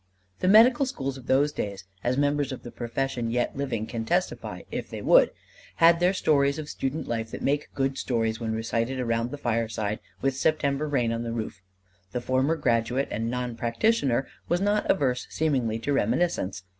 The medical schools of those days, as members of the profession yet living can testify if they would, had their stories of student life that make good stories when recited around the fireside with September rain on the roof. The former graduate and non practitioner was not averse seemingly to reminiscence.